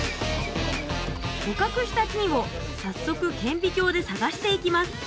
捕獲した菌を早速顕微鏡で探していきます